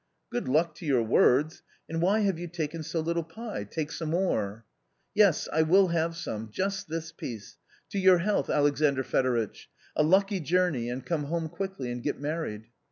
" Good luck to your words ! And why have you taken so little pie ? Take some more." " Yes, I will have some ; just this piece. To your health, Alexandr Fedoritch ! A lucky journey, and come home quickly and get married